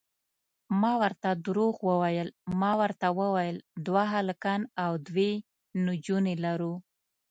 ما ورته درواغ وویل، ما ورته وویل دوه هلکان او دوې نجونې لرو.